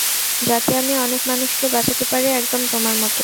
যাতে আমি অনেক মানুষকে বাঁচাতে পারি, একদম তোমার মত।